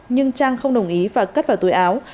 nhưng trang không đồng ý và cất vào túi áo